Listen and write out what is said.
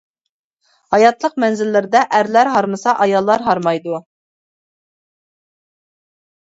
ھاياتلىق مەنزىللىرىدە ئەرلەر ھارمىسا ئاياللار ھارمايدۇ.